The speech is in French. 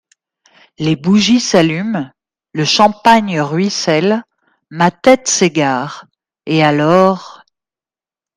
Les bougies s’allument, le champagne ruisselle, ma tête s’égare, et alors…